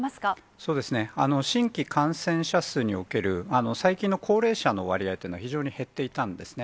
そうですね、新規感染者数における、最近の高齢者の割合というのは、非常に減っていたんですね。